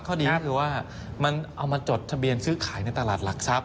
ดีก็คือว่ามันเอามาจดทะเบียนซื้อขายในตลาดหลักทรัพย